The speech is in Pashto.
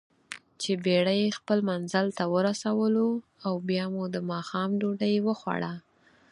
چې بېړۍ خپل منزل ته ورسولواو بیا مو دماښام ډوډۍ وخوړه.